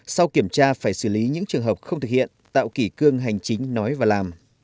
sau kiểm tra phải xử lý những trường hợp không thực hiện tạo kỷ cương hành chính nói và làm